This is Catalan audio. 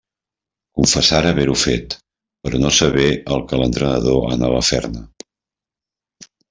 Confessarà haver-ho fet però no saber el que l'entrenador anava a fer-ne.